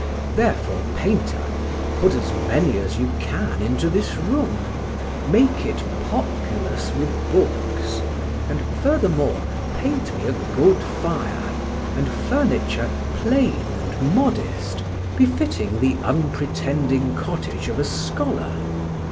Therefore, painter, put as many as you can into this room. Make it populous with books, and, furthermore, paint me a good fire, and furniture plain and modest, befitting the unpretending cottage of a scholar.